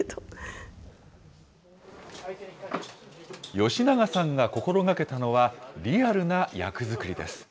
吉永さんが心がけたのはリアルな役作りです。